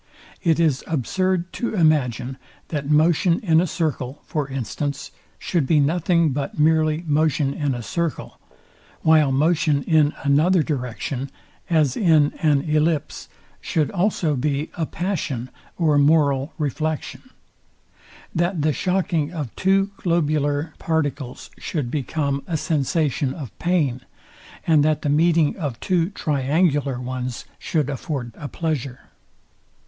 It is absurd to imagine, that motion in a circle, for instance, should be nothing but merely motion in a circle; while motion in another direction, as in an ellipse, should also be a passion or moral reflection: That the shocking of two globular particles should become a sensation of pain, and that the meeting of two triangular ones should afford a pleasure.